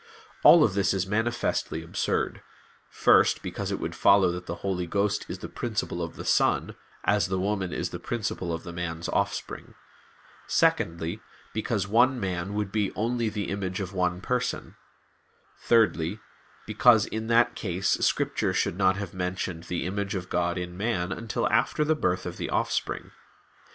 All of this is manifestly absurd; first, because it would follow that the Holy Ghost is the principle of the Son, as the woman is the principle of the man's offspring; secondly, because one man would be only the image of one Person; thirdly, because in that case Scripture should not have mentioned the image of God in man until after the birth of the offspring.